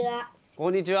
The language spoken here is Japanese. こんにちは。